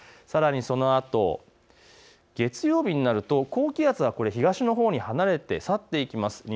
さらにそのあと月曜日になると高気圧が東のほうに離れて去っていきます。